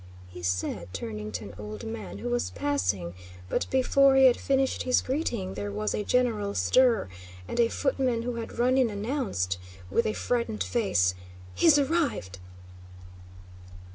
he said, turning to an old man who was passing, but before he had finished his greeting there was a general stir, and a footman who had run in announced, with a frightened face: "He's arrived!"